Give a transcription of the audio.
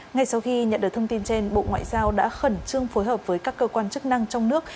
ngay sau khi nhận được thông tin trên bộ ngoại giao đã khẩn trương phối hợp với các cơ quan chức năng trong nước